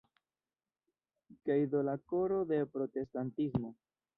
Kaj do la koro de protestantismo.